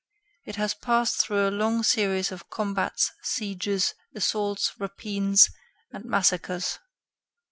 It has passed through a long series of combats, sieges, assaults, rapines and massacres.